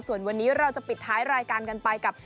ส่วนวันนี้เราจะปิดท้ายรายการกันไปกับ